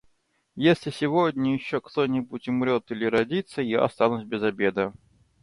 Если сегодня еще кто-нибудь умрет или родится, я останусь без обеда.